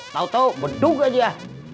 tau tau bedug aja